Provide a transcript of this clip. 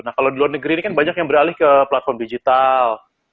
nah kalau di luar negeri ini kan banyak yang beralih ke platform digital